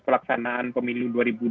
pelaksanaan pemilu dua ribu dua puluh